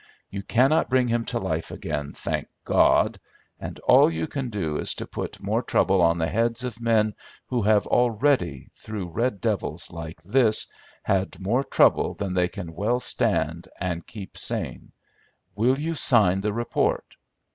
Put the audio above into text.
You cannot bring him to life again, thank God, and all you can do is to put more trouble on the heads of men who have already, through red devils like this, had more trouble than they can well stand and keep sane. Will you sign the report?